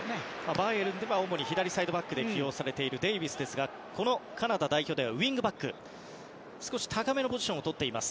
バイエルンでは左サイドバックで起用されているデイビスですがこのカナダ代表ではウィングバックという少し高めのポジションをとっています。